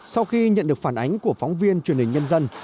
sau khi nhận được phản ánh của phóng viên truyền hình nhân dân